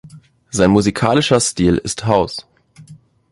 Sein musikalischer Stil ist House.